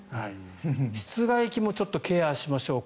室外機もちょっとケアをしましょう。